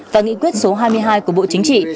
và nghị quyết số hai mươi hai của bộ chính trị